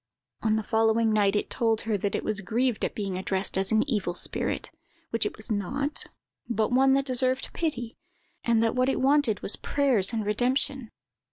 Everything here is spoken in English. "On the following night it told her that it was grieved at being addressed as an evil spirit, which it was not, but one that deserved pity; and that what it wanted was prayers and redemption.